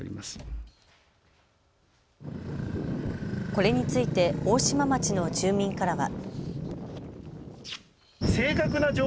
これについて大島町の住民からは。